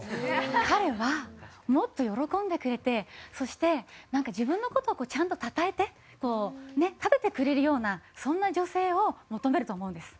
彼はもっと喜んでくれてそしてなんか自分の事をちゃんとたたえて立ててくれるようなそんな女性を求めると思うんです。